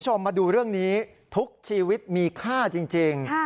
มาดูเรื่องนี้ทุกชีวิตมีค่าจริง